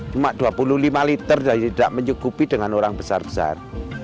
cuma dua puluh lima liter dari tidak mencukupi dengan orang besar besar